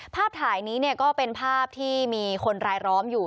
ภาพถ่ายนี้ก็เป็นภาพที่มีคนรายล้อมอยู่